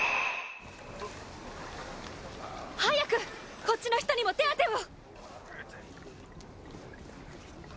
早くこっちの人にも手当てを。